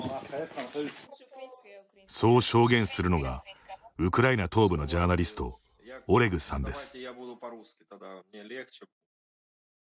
そう証言するのがウクライナ東部のジャーナリストオレグさんです。